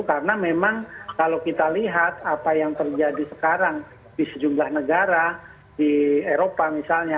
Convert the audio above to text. karena memang kalau kita lihat apa yang terjadi sekarang di sejumlah negara di eropa misalnya